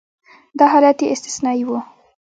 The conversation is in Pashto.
دا حالت یې استثنایي و.